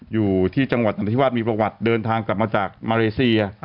อยู่ที่จังหวัดนทธิวาสมีประวัติเดินทางกลับมาจากมาเลเซีย